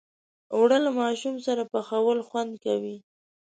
اوړه له ماشوم سره پخول خوند کوي